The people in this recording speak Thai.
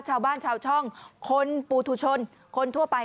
ชาวบ้านชาวช่องคนปูถุชนคนทั่วไป